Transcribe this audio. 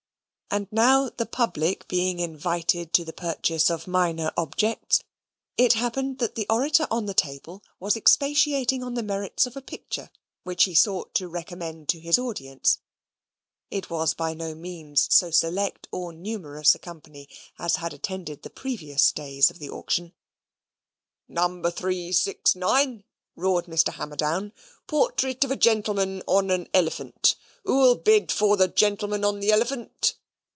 And now the public being invited to the purchase of minor objects, it happened that the orator on the table was expatiating on the merits of a picture, which he sought to recommend to his audience: it was by no means so select or numerous a company as had attended the previous days of the auction. "No. 369," roared Mr. Hammerdown. "Portrait of a gentleman on an elephant. Who'll bid for the gentleman on the elephant?